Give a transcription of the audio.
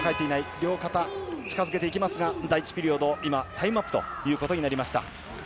両肩、近付けていきますが第１ピリオド今、タイムアップとなりました。